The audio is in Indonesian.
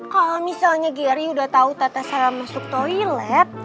kalau misalnya geri udah tau tata salah masuk toilet